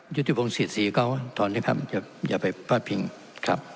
ยุทธพงศ์เสียดสีเขาตอนนี้ผมอย่าไปพลาดพิงครับ